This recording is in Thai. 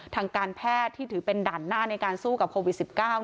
ทางการแพทย์ที่ถือเป็นด่านหน้าในการสู้กับโควิด๑๙